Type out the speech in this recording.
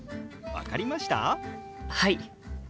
はい。